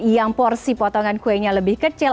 yang porsi potongan kuenya lebih kecil